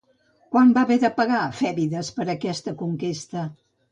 Quant va haver de pagar Fèbides per aquesta conquesta?